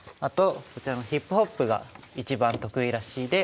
あとこちらのヒップホップが一番得意らしい。